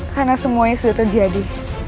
karena semuanya sudah terjadi